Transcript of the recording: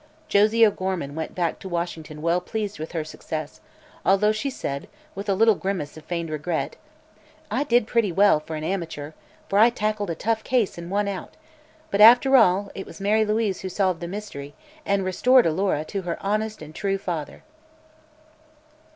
Josie O'Gorman went back to Washington well pleased with her success, although she said with a little grimace of feigned regret: "I did pretty well, for an amateur, for I tackled a tough case and won out; but, after all, it was Mary Louise who solved the mystery and restored Alora to her honest for true father."